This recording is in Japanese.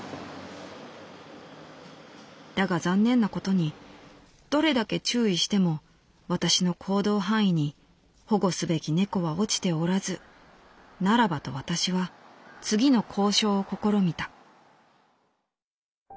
「だが残念なことにどれだけ注意しても私の行動範囲に保護すべき猫は落ちておらずならばと私は次の交渉を試みた」。